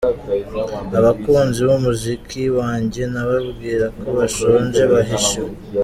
Abakunzi b’umuziki wanjye nababwira ko bashonje bahishiwe.